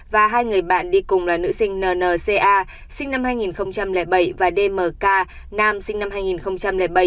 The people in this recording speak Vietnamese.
và hai người bạn đi cùng là nữ sinh n n c a sinh năm hai nghìn bảy và d m k nam sinh năm hai nghìn bảy